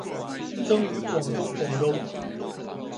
生于广东广州。